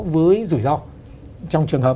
với rủi ro trong trường hợp